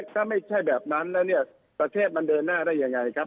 ถ้าไม่ใช่แบบนั้นแล้วเนี่ยประเทศมันเดินหน้าได้ยังไงครับ